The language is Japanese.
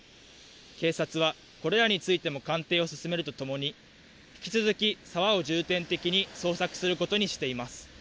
警察はこれらについても鑑定を進めるとともに、引き続き沢を重点的に捜索することにしています。